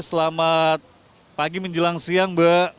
selamat pagi menjelang siang mbak